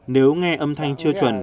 nếu nghe âm thanh chưa chuẩn